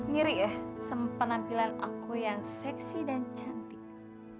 ngiri ya sempet nampilan aku yang seksi dan cantik